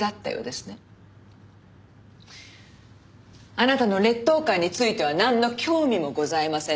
あなたの劣等感についてはなんの興味もございません。